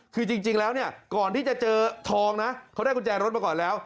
คือจริงแล้วเนี่ยก่อนที่จะเจอทองนะเขาได้กุญแจรถมาก่อนแล้ว